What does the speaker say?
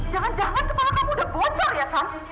jangan jangan kepala kamu udah bocor ya san